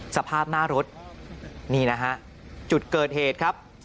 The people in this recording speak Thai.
สภาพหน้ารถนี่นะฮะจุดเกิดเหตุครับ